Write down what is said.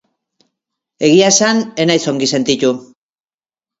Egia esan, ez naiz ongi sentitu.